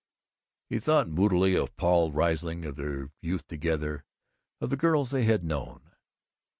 He thought moodily of Paul Riesling, of their youth together, of the girls they had known.